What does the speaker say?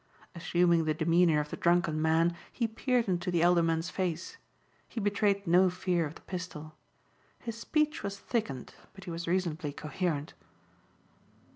Assuming the demeanor of the drunken man he peered into the elder man's face. He betrayed no fear of the pistol. His speech was thickened, but he was reasonably coherent.